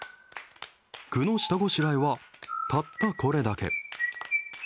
具の下ごしらえは、たったこれだけ。